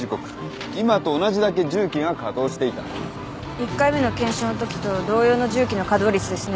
１回目の検証のときと同様の重機の稼働率ですね。